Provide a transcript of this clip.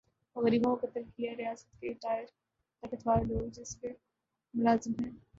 اور غریبوں کو قتل کیا ریاست کے ریٹائر طاقتور لوگ جس کے ملازم ھیں